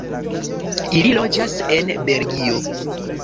Ili loĝas en Belgio.